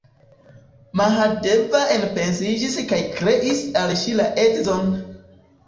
Mahadeva enpensiĝis kaj kreis al ŝi la edzon!